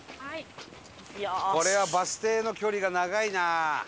これはバス停の距離が長いな。